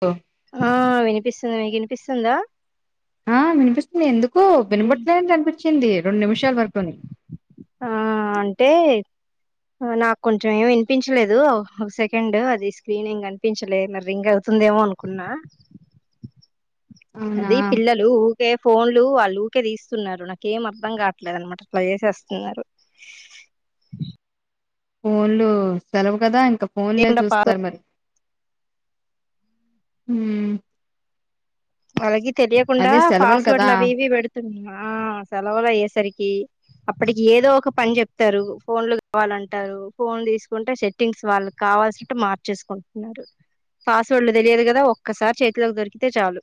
ఆ ఆ వినిపిస్తున్నాయ్ మీకు వినిపిస్తుందా? ఆ వినిపిస్తుంది ఎందుకు ఉమ్. వినపట్లేదన్పిచ్చిం పేంది రెండిన్మిషాల్ వర్కున్నాయ్ టే నాకు కొంచెం ఏమి వినిపించలేదు ఒక సెకండ్ అది స్క్రీన్ ఇంగ్ అనిపించలేదు రింగ్ అవుతుం స్తుందేమో అనుకున్నా అవునా అది పిల్లలు కే ఫోన్లు వాళ్ళూక్కే తీస్తున్నారు నాకేం అర్ధం కావట్లేదు అనమాట అట్లా చేసేస్తున్నారు ఫోన్లు సెలవు కదా ఇంకా ఫోన్లే లేకుండా పా చూస్తారు మరి. ఉమ్ వాళ్ళకి తెలియకుండా అదే సెలవులు కదా పాస్వర్డ్లు అవి ఇవి పెడుతున్నా ఆ సెలవులు అయ్యేసరికి అప్పటికి ఏదో ఒక పని చెప్తారు ఫోన్లు కావాలంటారు ఫోన్లు తీసుకుంటే సెట్టింగ్స్ వాళ్ళకు కావాల్సినట్టు మార్చేసుకుంటున్నారు. పాస్వర్డ్లు తెలియదు కదా ఒక్కసారి చేతిలోక్ దొరికితే చాలు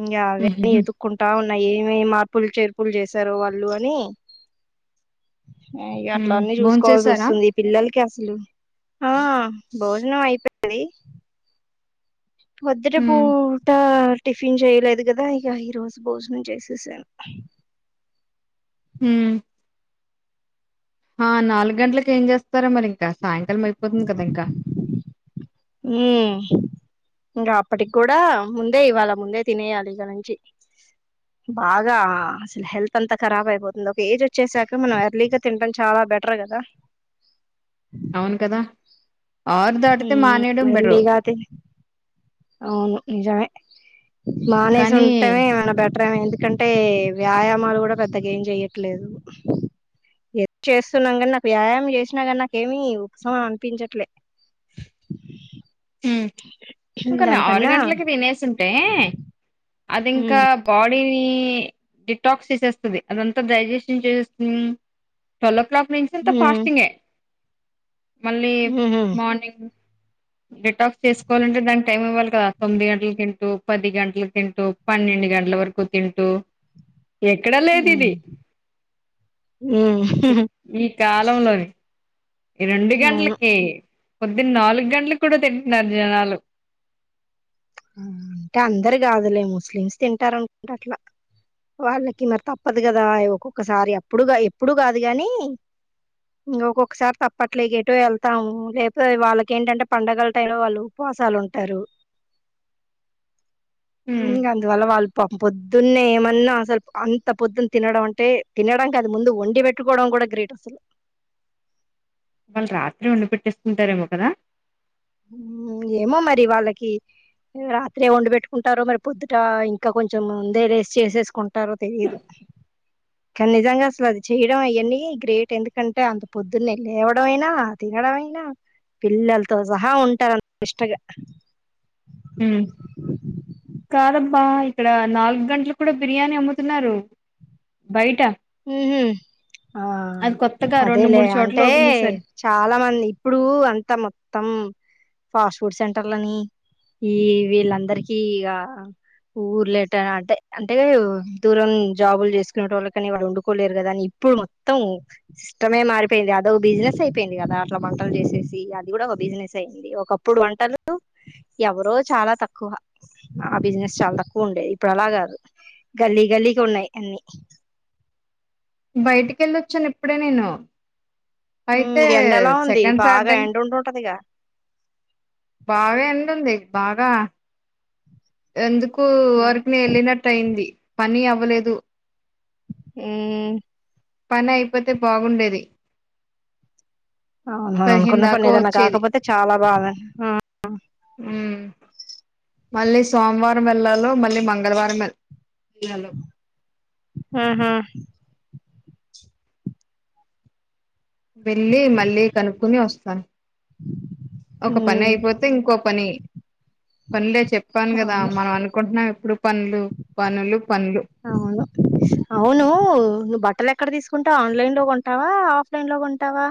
ఇంగా అవీ అన్ని ఉహుహు వెతుక్కుంటా ఉన్నా ఏమేమా పుల్ చేర్పుల్ చేసారు వాళ్ళు అని ఇగ అట్ల ఉమ్ అన్నీ చూస్కోవాల్సి భోంచేసారా వస్తుంది. ఈ పిల్లలకి అసలు ఆ భోజనం అయిపోయింది. పొద్దున్న ఉమ్ పూట టిఫిన్ చేయలేదు కదా ఇగ ఈరోజు భోజనం చేసేసా. హ్మ్ ఆ నాలుగంటలక్ ఏం చేస్తారో మరి ఇంకా సాయంకాలం అయిపోతుంది కదా ఇంకా మ్ ఇంగా అప్పటిక్ కూడా ముందే ఇవ్వాల ముందే తినేయాలి ఇక నుంచి బాగా అసల్ హెల్త్ అంతా కరాబ్ అయిపోతుంది. ఒక ఏజ్ వచ్చేసాక మనం ఎర్లీగా తిన్టం చాలా బెటర్ కదా అవును కదా ఆరు దాటితే మ్ మానేయడం బెటరు ఎర్లీగా అదే అవును నిజమే కానీ మానేసుంటమే ఏమన్న బె [unintelligible] ఎందుకంటే వ్యాయామాలు కూడా పెద్దగ ఏం చెయ్యట్లేదు. ఎప్ చేస్తున్నాం కానీ నాకు వ్యాయామం చేసినా కానీ నాకేమి ఉపసమనం అనిపించట్లే మ్ కని ఆరు దానికన్నా గంటలకే తినేసింటే అది ఇంకా ఉమ్ బా బాడీని డిటాక్స్ చేసేస్తది అదంతా డైజేషన్ చేసేస్తుంది. ట్వల్వ్ ఓ క్లాక్ నుంచింత ఉమ్ ఫాస్టింగే మళ్ళీ ఉహు మార్నింగ్ డేట్ ఆఫ్ చేస్కోవాలంటే దానికి టైం ఇవ్వాలి కదా తొమ్మిది గంటల్ తింటూ పది గంటలకి తింటూ పన్నె కొన్ని గంటల వరకు తింటూ ఎక్కడా లేద్ ఇది ఉమ్ ఉమ్ ఉహు, ఈ కాలంలోని రెండు అవును గంటలకి పొద్దున్న నాలుగు గంటలకి కూడా తింటున్నారు జనాలు అంటే అందర్ కాదులే ముస్లిమ్స్ తింటారునుకుంట అట్లా వాళ్ళకి మరి తప్పదు కదా ఒక్కొక్కసారి అప్పుడు ఎప్పుడు కాదు గాని ఇంగ ఒక్కొక్కసారి తప్పట్లే ఇగ ఎటో ఎళ్తాము లేకపోతే వాళ్ళక్ ఏంటంటే పండగలు టైంలో వాళ్ళు మసాలుంటారు. ఇం హ్మ్ అందు వళ్ళ వాల్ పొద్దున్నే ఏమన్నా అసల్ అంత పొద్దున్ తినడం అంటే తినడం కాదు ముందు వండి పెట్టుకోవడం కూడా గ్రేట్ అసల్ వాళ్ళు రాత్రే వండి పెట్టేస్కుంటారేమో కదా ఏమో మరి వాళ్ళకి రాత్రే వండి పెట్టుకుంటారో మరి పొద్దుట ఇంకా కొంచెం ముందే లేసి చేసేస్కుంటారో తెలీదు. కాని నిజంగా అసల్ అది చేయడం అయన్ని గ్రేట్ ఎందుకంటే అంత పొద్దున్నే లేవడం అయినా అది ఎడనైనా పిల్లల్తో సహా ఉంటరం ఇష్టగా హ్మ్ కాదబ్బా ఇక్కడ నాలుగ్ గంటలక్ కూడా బిర్యానీ అమ్ముతున్నారు బయట మ్ హ్ ఆ అది కొత్తగా రెండు అదేలే మూడు చోట్ల అంటే ఓపెన్ చేశారు చాలా మంది ఇప్పుడూ అంత మొ త్తం ఫాస్ట్ ఫుడ్ సెంటర్లని ఈ వీళ్ళందరికీ ఇగ ఊర్లెట అంటే అంటే దూరం జాబుల్ చేస్కునేటో కాన్నే వాళ్ళు వండుకోలేరు కదా అని ఇప్పుడు మొత్తం ఇష్టమే మారిపోయింది అదో బిజినెస్ అయిపోయింది కదా అట్లా పా వంటలు చేసేసి అది కూడా ఒక బిజినెస్ అయ్యింది ఒకప్పుడు వంటలు ఎవరో చాలా తక్కువ ఆ బిజినెస్ చాలా తక్కువ ఉండేది ఇప్పుడు అలా కాదు గల్లీ గల్లీకి ఉన్నాయి అన్ని బయటికి వెళ్ళొచ్చాను ఇప్పుడే నేను అయితే ఎండలా ఉంది సెకండ్ బాగా చార్డన్ ఎండ ఉండి ఉంటదిగా బాగా ఎండ ఉంది బాగా ఎందుకు వూరికనే వెళ్ళినట్ అయింది పని అవ్వలేదు ఏ పని అయిపోతే బాగుండేది అవున పదిహేను అనుకున్న పని దాకా ఏదన్నా వచ్చేది కాకపోతే చాలా బాగు అన్ ఉహు ఉ మళ్ళీ సోమవారం వెళ్లాలో మళ్ళీ మంగళవారం వెళ్ ఆహా వెళ్లి మళ్ళీ కనుక్కొని వస్తాను ఒక పని అవును అయిపోతే ఇంకో పని పనులే చెప్పాను కదా మనం అనుకుంటున్నాం ఎప్పుడు పనులు పనులు పనులు అవును అవును నువ్వు బట్టలు ఎక్కడ తీసు కుంటా ఆన్లైన్ లో కొంటావా ఆఫ్లైన్ లో కొంటావా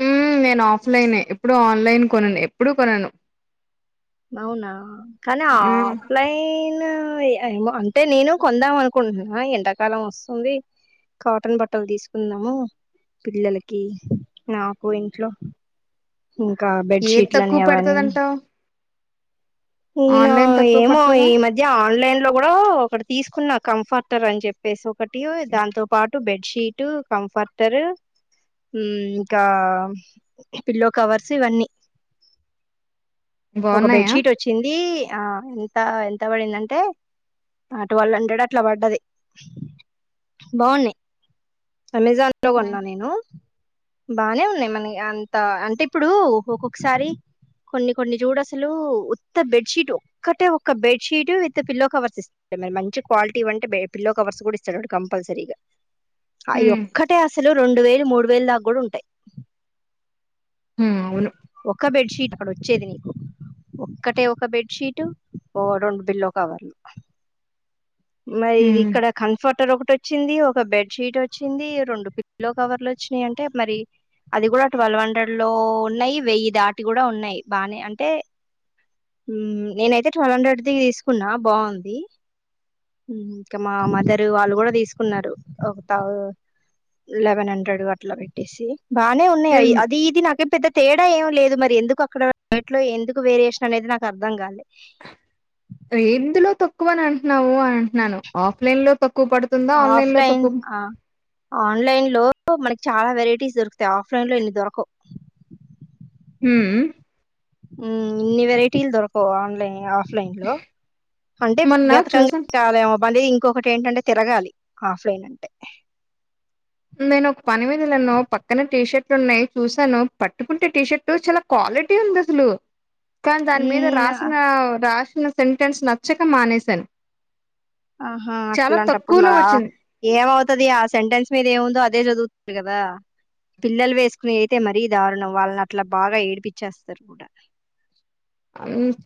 హ్మ్ నేను ఆఫ్లైనే ఇప్పుడు ఆన్లైన్ కొనను ఎప్పుడు కొనను అవునా కానీ ఆఫ్ లైన్ అత్తది ఏమో అంటే నేను కొందాం అనుకుంటున్నా ఎండకాలం వస్తుంది కాటన్ బట్టలు తీసుకుందాము పిల్లలకి నాకు ఇంట్లో ఇంకా బెడ్ ఏ షీట్ల అని తక్కువ అవ్వన్ని పెడతదంటావు ఇన్నో ఆన్లైన్ తక్కువ ఏమో ఈ పడుతదా మధ్య ఆన్లైన్ లో కూడా ఒకటి తీసుకున్న కంఫర్టర్ అని చెప్పేసి ఒకటి దాంతో పాటు బెడ్ షీట్ హ్మ్ ఫర్టరు హ్మ్ ఇంకా పిల్లో కవర్స్ ఇవన్నీ బాగున్నాయా ఇ ఆ ఎంత ఎంత పడిందంటే ఆ ట్వలివ్ హండ్రెడ్ అట్లా పడ్డది బాగు ఉన్నాయి అమెజాన్ లో కొన్నా నేను బానే ఉన్నాయి మన ఈ అంత అంటే ఇప్పుడు ఒక్కొక్కసారి కొన్ని కొన్ని చూడు అసలు ఉత్ తా బెడ్ షీట్ ఒక్కటే ఒక bed sheet with pillow covers ఇస్తే మరి మంచి క్వాలిటీవి అంటే బే పిల్లో కవర్ కవర్స్ కూడా ఇస్తాడు అడు కంపల్సరీగా అయి హ్మ్ ఒక్కటే అసలు రెండు వేలు మూడు వేలు దాకా కూడా ఉంటాయి ఉ అవును ఒక్క బెడ్ షీట్ అక్కడ వచ్చేది నీకు ఒక్కటే ఒక బెడ్ షీటు ఓ రెండు బిల్లో కవర్లు మరి ఇది హ్మ్ ఇక్కడ కన్ఫటర్ ఒకట్ టో వచ్చింది ఒక బెడ్ షీట్ వచ్చింది రెండు పిల్లో కవర్లు వచ్చినాయి అంటే మరి అది కూడా ట్వలివ్ హండ్రెడ్ లో ఉన్నాయి వెయ్యి దాటి కూడా ఉన్నాయి బానే అంటే నేనైతే ట్వలివ్ హండ్రెడ్ ది తీసుకున్నా బాగుంది ఉ ఇంకా మా మదర్ వాళ్ళు కూడా తీసుకున్నారు ఒత్త లెవెన్ హండ్రెడ్ అట్లా పెట్టేసి బాగానే ఉన్నాయి నేను అది ఇది నాకే ఏం పెద్ద తేడా ఏం లేదు మరి ఎందుకు అక్కడ వాట్లో ఎందుకు వేరియేషన్ అనేది నాకు అర్థం కాలే ఎందులో తక్కువ అని అంటున్నావు అ అంటున్నాను ఆఫ్లైన్ లో కోక్ ఆఫ్లైన్ ఆ ఆన్లైన్ లో మనకి చాలా వెరైటీస్ దొరుకుతాయి ఆఫ్లైన్ లో ఇన్ని దొరకవు ఊ ఉ ఇన్ని వెరైటీల్ దొరకో ఆన్లైన్ ఆ ్లైన్ లో అంటే మొన్న వెతకంగ్ చూసాను కాలే ఆఫ్ మందిది ఇంకొకటి ఏంటంటే తిరగాలి ఆఫ్లైన్ అంటే నేను ఒక పని మీద లేను పక్కన టీషర్ట్ లు ఉన్నాయి చూసాను పట్టుకుంటే టీ షర్ట్ చాలా క్వాలిటీ ఉంది అసలు కానీ దాని మీద హ్మ్. ఆహ్, రాసిన రాసిన సెంటెన్స్ నచ్చక మానేశాను ఆహా చాలా అట్లాంటప్పుడు తక్కువలో మరి ఆ వచ్చింది ఏమవుతుది ఆ సెంటెన్స్ మీద ఏము ఇంకఅ అదే చదు వుతందికదా పిల్లలు వేసుకుని అయితే మరీ దారుణం వాళ్ళని అట్లా బాగా ఏడిపచ్చేస్తారు కూడా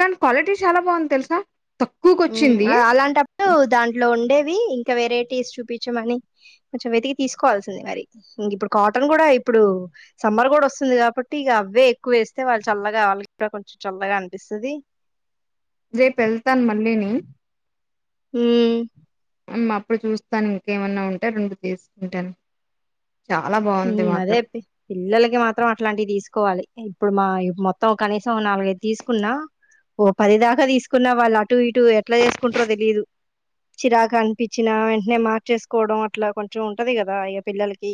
కా క్వాలిటీ చాలా బాగుంది తెలుసా తక్కువకు వచ్చింది ఉఅలాంటప్పుడు దాంట్లో ఉండే ఇంకా వెరైటీస్ చూపించమని కొంచెం వెతికి తీసుకోవాల్సింది మరి ఇం ఇప్పుడు కాటన్ కూడా ఇప్పుడు సమ్మర్ కూడా వస్తుంది కాబట్టి ఇక అవే ఎక్కువేస్తే వాళ్ళు చల్లగా వాళ్ళకిక్కడ కొంచెం చల్లగా అనిపిస్తుంది వస్తది రేపు వెళ్తాను మళ్ళీని హమ్ అప్పుడు చూస్తాను ఇంకేమన్నా ఉంటే రెండు తీసుకుంటాను చాలా బాగుంది ఉమఅదే మాత్రం పిల్లలకి మాత్రం అట్లాంటి ఉ తీసుకోవాలి ఇప్పుడు మా మొత్తం కనీసం నాలుగైదు తీసుకున్నా ఓ పది దాకా తీసుకున్న వాళ్ళు అటు ఇటు ఎట్లా చేసుకుంటారో తెలిదు చిరాగా అనిపించిన వెంటనే మార్చేసుకోవడం అట్లా కొంచెం ఉంటది కదా ఇక పిల్లలకి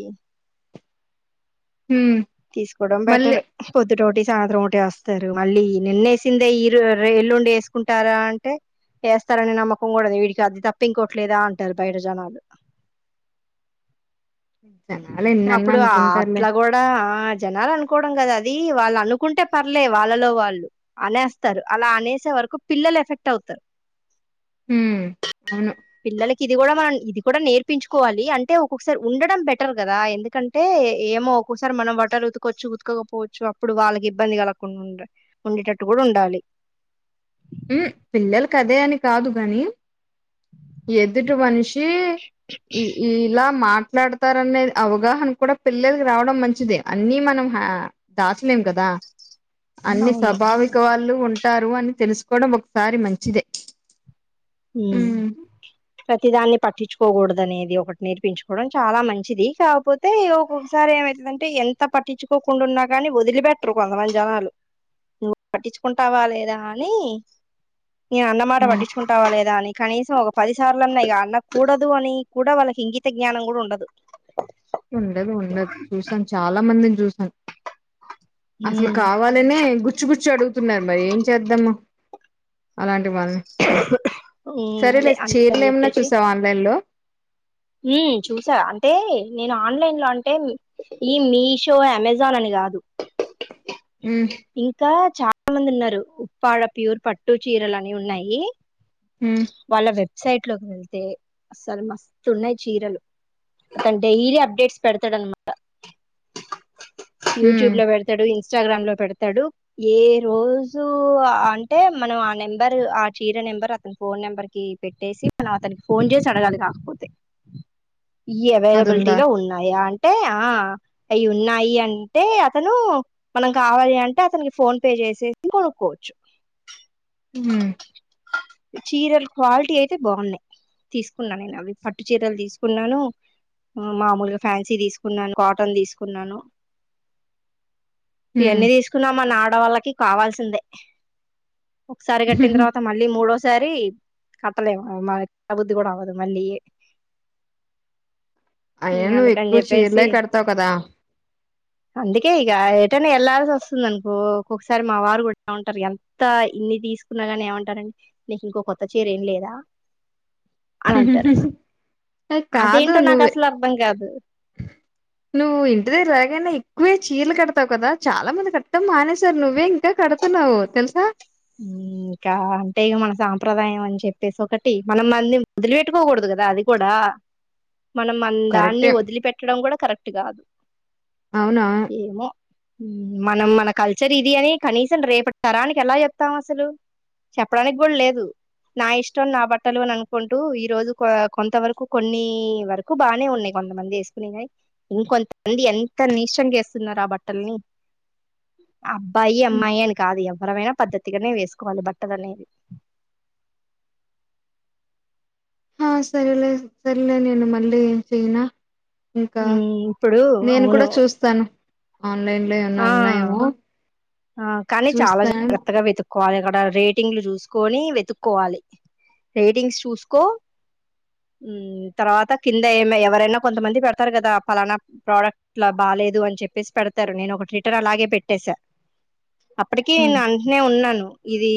హ్మ్ తీసుకోవడం బెటర్ మళ్ళీ పొద్దు రోటి యిస్ సాయంత్రం ఒకటే వస్తారు మళ్ళీ నిన్నేసిందే ఈరు రే ఎల్లుండి వేసుకుంటార అంటే వేస్తారని నమ్మకం కూడాడదు వీడికి అ తప్పింకోట్లేదా అంటారు బయట జననాలు [inaudible] అప్పుడు అనుకుంటారులే అట్లా కూడా జనాల అనుకో అకోడం కదా అది వాళ్ళు అనుకుంటే పర్లే వాళ్ళలో వాళ్ళు అనేస్తారు అలా అనేసే వరకు పిల్ల ఎఫెక్ట్ అవుతర్ హ అవును పిల్లలకి ఇది కూడా మనం ఇది కూడా నేర్పించుకోవాలి అంటే ఒక్కొక్కసారి ఉండడం బెటర్ కదా ఎందుకంటే ఏమో ఒక్కోసారి మనం వాటర్ ఉతుకొచ్చు గుతుకపోవచ్చు అప్పుడు వాళ్ళకి ఇబ్బంది కలగకుండా ఉండ ఉండేటట్టు కూడా ఉండ ాలి ఉమ్ పిల్లలకి అదే అని కాదు గాని ఎదుటి మనిషి ఇ ఇలా మాట మాట్లాడతారునే అవగాహన కూడ పిల్లలకి రావడం మంచిదే అన్ని మనం దాచలేం కదా అన్ని అవును స్వాభావిక వాళ్ళు ఉంటారు అని తెలుసుకోవడం ఒకసారి మంచిదే ఉమ్ హ్మ్ ప్రతి దాన్ని పట్టిచ్చుకోకూడదు అనేది ఒకటి నేర్పించుకోవడం చాలా మంచిది కాకపోతే ఒొక్కసారి ఏమవుతుందంటే ఎంత పట్టించుకో కుంన్నా కాగాని వదిలి పెెట్టరు కొంతమంది జనాలు నువ్వు పట్టించుకుంటావా లేదా అని నీ అన్న మాట హ్మ్. పట్టించుకుంటా దాని కనీసం ఒక పదిసార్లు అన్నా ఇ అనకూడదు అని కూడా వాళ్ళకి ఇంగిత జ్ఞానం కూడా ఉండదు ఉండదు ఉండదు చూసాను చాలా మందిని చూసాను అసలు హ్మ్. కావాలనే గుచ్చుగుచ్చు అడుగుతున్నారు మరి ఏం చేద్దాము అలాంటి అంటే వాల్ని హ్మ్. సరేలె అదే అందుకని చీరలు ఏమన్నా జెప్పేసి చూసావా ఆన్లైన్ లో చూసా అంటే నేను ఆన్లైన్ లో అంటే ఈ మీషో యమెజాన్ అని కాదు హ్మ్ ఇంకా చాలా మంది విన్నారు ఉప్పాడ ప్యూర్ పట్టు చీరలు అని ఉన్నాయి హ్మ్ వాళ్ళ వెబ్సైట్ లోకి వెళ్తే అసలు మస్ ఉన్నాయి చీరలు అతను డైలీ అప్డేట్స్ పెడతాడు అనమాట హ్మ్ యూట్యూబ్లో పెడతాడు ఇన్ స్టాగ్రామ్ లో పెడతాడు ఏ రోజు అంటే మనం ఆ నెంబర్ ఆ చీరని నెంబర్ అతని ఫోన్ నెంబర్ కి పెట్టేసి మనం అతనికి ఫోన్ చేసి అడగాలి కాకపోతే ఈ ఎవైలబిలిటీ అదుందా లో ఉన్నాయా అంటే ఆ అయి ఉన్నాయి అంటే అతను మనం కావాలి అంటే అతనికి ఫోన్ పే చేసేసి కొనుక్కోవచ్చు మ్ చీరలు క్వాలిటీ అయితే బాగున్నాయి తీసుకున్నాను నేను అవి పట్టు చీరలు తీసుకున్నాను మామూలు గ ఫ్యాన్సీ తీసుకున్నాను కాటన్ తీసుకున్నాను హ్మ్ ఇయెన్నీ తీసుకున్నా మన ఆడవాళ్ళకి కావాల్సిందే ఒకసారి కట్టిన తర్వాత మళ్ళీ మూడోసారి కట్టలేము కట్ట బుద్ధి కూడా అవ్వదు మళ్ళీ అయినా నువ్వు అందుకని ఎక్కువ చెప్పేసి చీరలే కడతావు కదా అందుకే ఇక వెళ్లాాల్సి వస్తుంద అనుకో ఒకొకసారి మా వారు కూడా ఉంటారు ఎంత ఇన్ని తీసుకున్నా గాని ఏమంటారంటె నీకు ఇంకో కొత్త చీర ఏం లేదా అని అంటారు అయి కాదు అదేంటో నాకు నువ్వు అసలు అర్థం కాదు నువ్వు ఇంటి దగ్గర రాగైనా ఎక్కువే చీరలు కడతావు కదా చాలా మంది కట్టటం మానేసారు నువ్వే ఇంకా కడుతున్నావు తెలుసా మ్... ఇంకా అంటే ఇక మన సాంప్రదాయం అని చెప్పేసి ఒకటి మనం మంది వొదిలిపెట్టుకోకూడదు కదా అది కూడా మనం మనదాన్ని కరెక్టే వదిలి పెట్టడం కూడా కరెక్ట్ కాదు అవునా ఏమో మనం మన కల్చర్ ఇదీ అని కనీసం రేపటి తరానికి ఎలా చెప్తాం అసలు చెప్పడానికి కూడా లేదు నా ఇష్టం నా బట్టలు అని అనుకుంటూ ఈ రోజు కొంత వరకు కొన్ని వరకు బాగానే ఉన్నాయి కొంతమంది వేసుకునే కాయి ఇంకొంతమంది ఎంత నీచంగా వేస్తున్నారు ఆ బట్టల్ని అబ్బాయి హ్మ్. అమ్మాయి అని కాదు ఎవ్వరమైనా పద్ధతి గానే వేసుకోవాలి బట్టలనేవి ఆ సరలే సరిలే నేను మళ్ళీ చేయనా ఇంకా ఉమ్, ఇప్పుడు నేను అవును కూడా చూస్తాను ఆన్లైన్ లో ఏమన్నా ఆ ఉన్నాయేమో ఆ కానీ చాలా చూస్తాం జాగ్రత్తగా వెతుకుని అది అక్కడ రేటింగ్లు చూసుకొని వెతుక్కోవాలి రేటింగ్స్ చూసుకో మ్ తర్వాత కింద ఏ ఎవరైనా కొంతమంది పెడతారు కదా ఫలానా ప్రోడక్ట్ లా బాగా లేదు అని చెప్పేసి పెడతారు నేను ఒకటి రిటర్న్ అలాగే పెట్టేశా అప్పటికి నేను హ్మ్ అంటనే ఉన్నాను ఇదీ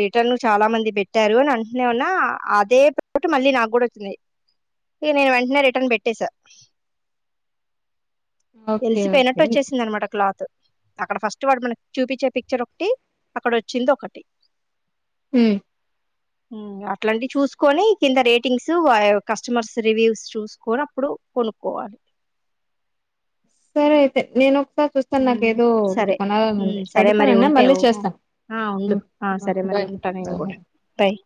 రిటర్న్ చాలా మంది పెట్టారు అని అంటునే ఉన్నా అదే పొరపాటు మళ్ళీ నాకు కూడా నేను వెంటనే రిటర్న్ పెట్టసా ఓకే ఎలిసిపోయినట్టు ఓకే వచ్చేసిందనమాట క్లాత్ అక్కడ ఫస్ట్ వాడు మనకు చూపించే పిక్చర్ ఒకటి అక్కడ వచ్చింది ఒకటి మ్ మ్ అట్లాంటివి చూసుకొని కింద రేటింగ్స్ కస్టమర్స్ రివ్యూస్ చూసుకోని అప్పుడు కొనుక్కోవాలి సరే అయితే నేను ఒకసారి చూస్తాను నాకు హ్మ్ ఏదో ఇటు సరే కొనాలని ఉంది హ్మ్ సరే మరి పెడతానన్నా ఉంటే ఓ మళ్ళీ చేస్తా ఆ బాాహ [inaudible] బై